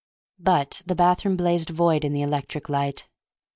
But the bathroom blazed void in the electric light.